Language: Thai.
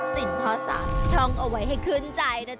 สิ่งข้อสามท้องเอาไว้ให้ขึ้นใจนะจ๊ะค่ะ